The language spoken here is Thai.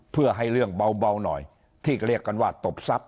เพื่อให้เรื่องเบาหน่อยที่เรียกกันว่าตบทรัพย